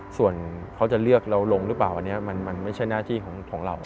ส่วนเขาจะเลือกเราลงหรือเปล่าอันนี้มันไม่ใช่หน้าที่ของเรา